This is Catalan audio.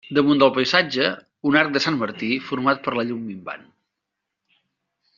Damunt del paisatge, un arc de Sant Martí format per la llum minvant.